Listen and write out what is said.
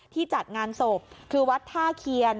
จัดงานศพคือวัดท่าเคียน